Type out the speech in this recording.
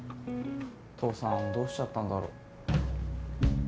父さんどうしちゃったんだろ。